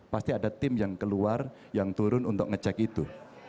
pasti ada tim yang keluar yang turun untuk ngecek itu